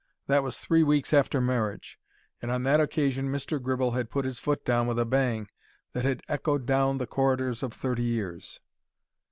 That was three weeks after marriage, and on that occasion Mr. Gribble had put his foot down with a bang that had echoed down the corridors of thirty years.